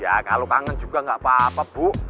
ya kalau kangen juga nggak apa apa bu